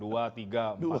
dua tiga empat dua